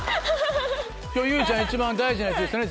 今日結実ちゃん一番大事なやつですよね